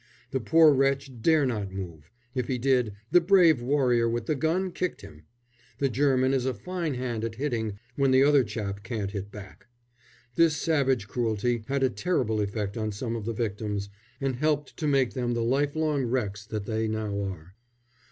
The poor wretch dare not move, if he did the brave warrior with the gun kicked him the German is a fine hand at hitting when the other chap can't hit back. This savage cruelty had a terrible effect on some of the victims, and helped to make them the life long wrecks that they now are.